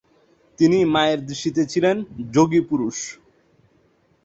তিনি মায়ের দৃষ্টিতে ছিলেন 'যোগিপুরুষ'।